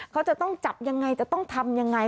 เขาจะต้องจับยังไงจะต้องทำยังไง